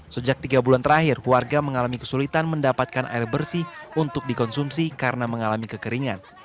sejak tiga bulan terakhir warga mengalami kesulitan mendapatkan air bersih untuk dikonsumsi karena mengalami kekeringan